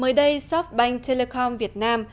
mới đây softbank telecom việt nam